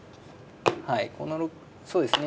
はいそうですね